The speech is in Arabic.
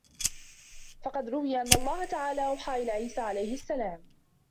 فَقَدْ رُوِيَ أَنَّ اللَّهَ تَعَالَى أَوْحَى إلَى عِيسَى عَلَيْهِ السَّلَامُ